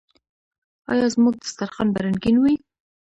آیا زموږ دسترخان به رنګین وي؟